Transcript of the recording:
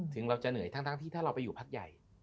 ถึงเราจะเหนื่อยทั้งที่ถ้าเราไปอยู่พักใหญ่